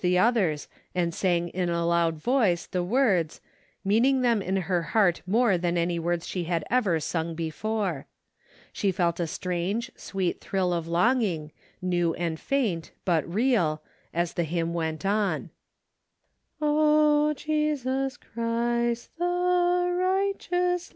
'^ the others, and sang in a loud voice the words, meaning them in her heart more than any words she had ever sung before. She felt a strange, sweet thrill of longing, new and faint, but real, as the hymn went on. " O Jesus Christ the righteous